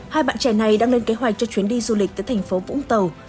hai bạn trẻ này đang lên kế hoạch cho chuyến đi du lịch tới thành phố vũng tàu